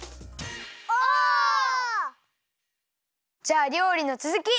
オ！じゃありょうりのつづき！